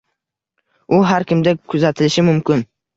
U har kimda kuzatilishi mumkin.